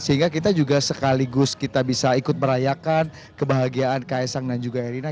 sehingga kita juga sekaligus kita bisa ikut merayakan kebahagiaan kaisang dan juga erina